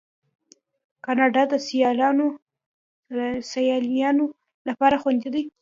کاناډا د سیلانیانو لپاره خوندي ده.